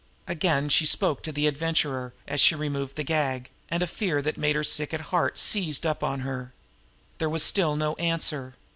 Again she spoke to the Adventurer, as she removed the gag and a fear that made her sick at heart seized up on her. There was still no answer.